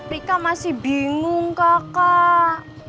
rika masih bingung kakak